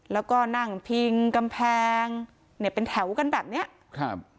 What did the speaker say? แล้วก็นั่งพิงกำแพงเนี่ยเป็นแถวกันแบบเนี้ยครับ